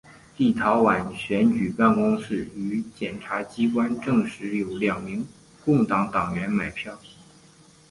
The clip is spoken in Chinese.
立陶宛选举办公室与检察机关证实有两名工党党员买票。